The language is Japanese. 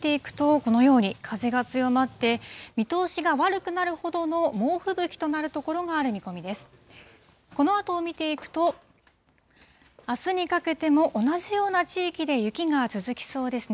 このあとを見ていくと、あすにかけても同じような地域で雪が続きそうですね。